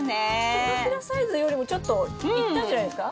手のひらサイズよりもちょっといったんじゃないですか？